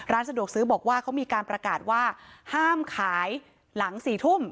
สะดวกซื้อบอกว่าเขามีการประกาศว่าห้ามขายหลัง๔ทุ่ม